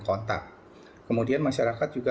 kontak kemudian masyarakat juga